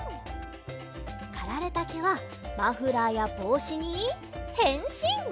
かられたけはマフラーやぼうしにへんしん！